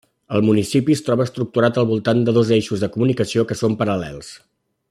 El municipi es troba estructurat al voltant de dos eixos de comunicació que són paral·lels.